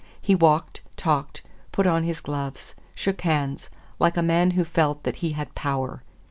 He walked, talked, put on his gloves, shook hands, like a man who felt that he had power.